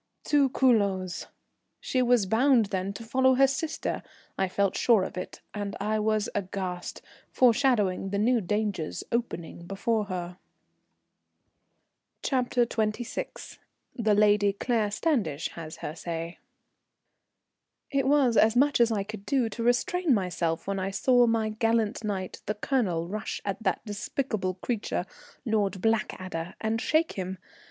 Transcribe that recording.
To Culoz? She was bound then to follow her sister, I felt sure of it; and I was aghast, foreshadowing the new dangers opening before her. CHAPTER XXVI. [The Lady Claire Standish has her say.] It was as much as I could do to restrain myself when I saw my gallant knight, the Colonel, rush at that despicable creature, Lord Blackadder, and shake him.